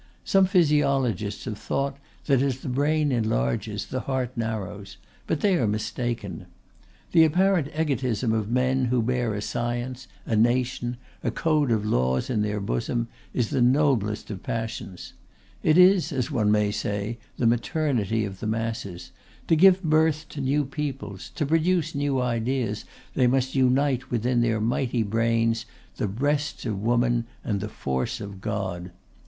Some physiologists have thought that as the brain enlarges the heart narrows; but they are mistaken. The apparent egotism of men who bear a science, a nation, a code of laws in their bosom is the noblest of passions; it is, as one may say, the maternity of the masses; to give birth to new peoples, to produce new ideas they must unite within their mighty brains the breasts of woman and the force of God.